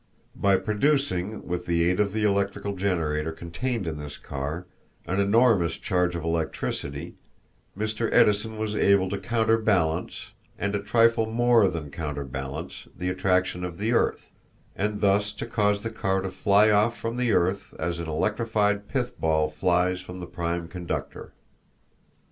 By producing, with the aid of the electrical generator contained in this car, an enormous charge of electricity, Mr. Edison was able to counterbalance, and a trifle more than counterbalance, the attraction of the earth, and thus cause the car to fly off from the earth as an electrified pith ball flies from the prime conductor.